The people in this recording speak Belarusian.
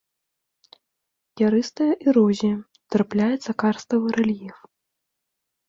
Ярыстая эрозія, трапляецца карставы рэльеф.